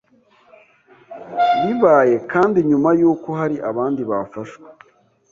Bibaye kandi nyuma y’uko hari abandi bafashwe